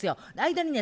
間にね